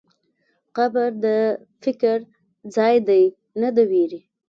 قبر د فکر ځای دی، نه د وېرې.